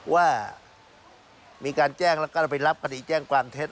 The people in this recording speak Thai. ว่ามีการแจ้งแล้วก็ไปรับคดีแจ้งความเท็จ